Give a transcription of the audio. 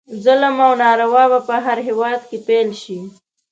ظلم او ناروا به په هر هیواد کې پیل شي.